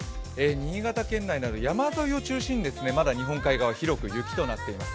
新潟県内など山沿いを中心にまだ日本海側、広く雪となっています。